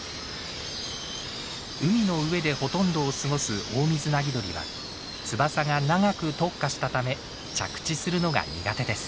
海の上でほとんどを過ごすオオミズナギドリは翼が長く特化したため着地するのが苦手です。